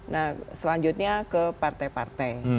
nah selanjutnya ke partai partai